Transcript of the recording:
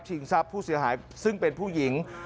ทรัพย์ผู้เสียหายซึ่งเป็นผู้หญิง